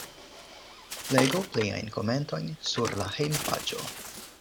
Legu pliajn komentojn sur la hejmpaĝo.